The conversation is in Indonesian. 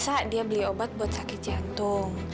masa dia beli obat buat sakit jantung